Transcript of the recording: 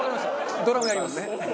ドラムやります。